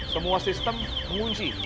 semua sistem mengunci